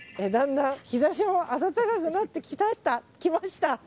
だんだん、日差しも暖かくなってきました